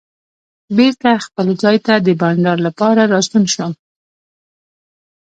بېرته خپل ځای ته د بانډار لپاره راستون شوم.